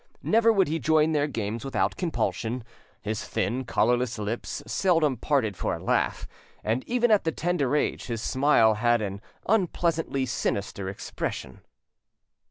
Never would he join their games without compulsion; his thin, colourless lips seldom parted for a laugh, and even at that tender age his smile had an unpleasantly sinister expression.